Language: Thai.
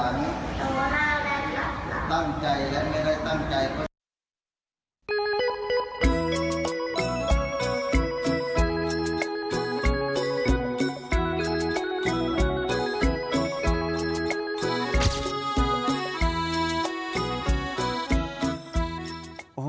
ตั้งใจแล้วไม่ได้ตั้งใจ